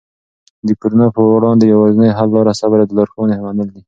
د کرونا په وړاندې یوازینی حل لاره صبر او د لارښوونو منل دي.